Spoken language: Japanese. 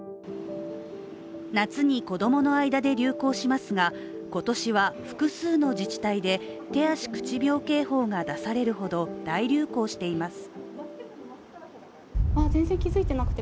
夏に子供の間で流行しますが今年は複数の自治体で手足口病警報が出されるほど大流行しています。